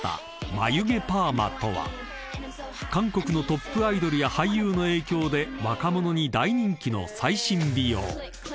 まゆ毛パーマとは韓国のトップアイドルや俳優の影響で若者に大人気の最新美容］